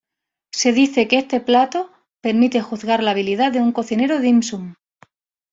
Se dice que este plato permite juzgar la habilidad de un cocinero "dim sum".